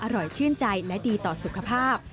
อร่อยชื่นใจและดีต่อสุขภาพ